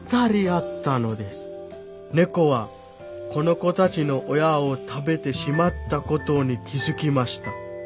猫はこの子たちの親を食べてしまったことに気付きました。